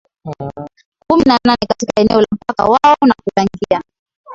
kumi na nane katika eneo la mpaka wao na kuchangia